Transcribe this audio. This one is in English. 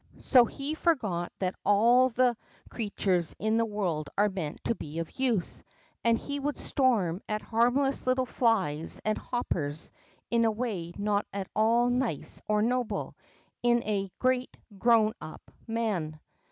So he forgot that all the creatures in the world are meant to be of use, and he would storm at harmless little fliers and hoppers in a way not at all nice or noble, in a great, grown np man."